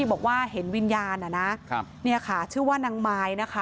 ที่บอกว่าเห็นวิญญาณนะนะนี่ค่ะชื่อว่านางไมล์นะคะ